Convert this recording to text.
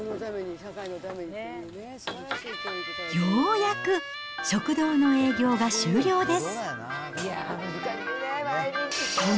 ようやく食堂の営業が終了です。